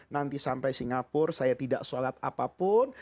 nanti sampai singapura saya tidak sholat apapun